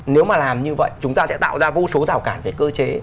nếu mà làm như vậy chúng ta sẽ tạo ra vô số rào cản về cơ chế